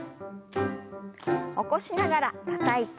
起こしながらたたいて。